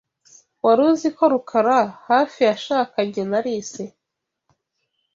Wari uzi ko Rukara hafi yashakanye na Alice?